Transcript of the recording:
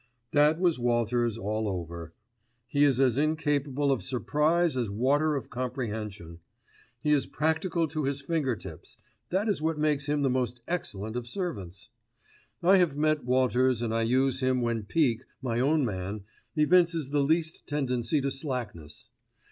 That was Walters all over. He is as incapable of surprise as water of compression. He is practical to his finger tips, that is what makes him the most excellent of servants. I have met Walters and I use him when Peake, my own man, evinces the least tendency to slackness.